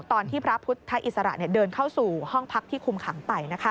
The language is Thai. ตอนที่พระพุทธอิสระเดินเข้าสู่ห้องพักที่คุมขังไป